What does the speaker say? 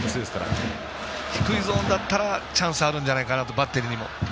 低いゾーンだったらチャンスあるんじゃないかなとバッテリーにも。